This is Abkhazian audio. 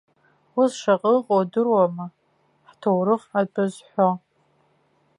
Ус шаҟа ыҟоу удыруама ҳҭоурых атәы зҳәо.